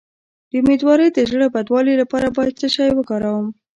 د امیدوارۍ د زړه بدوالي لپاره باید څه شی وکاروم؟